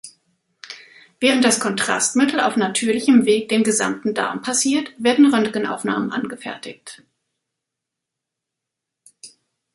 Während das Kontrastmittel auf natürlichem Weg den gesamten Darm passiert, werden Röntgenaufnahmen angefertigt.